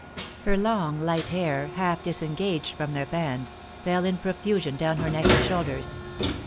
Her long, light hair, half disengaged from their bands, fell in profusion down her neck and shoulders.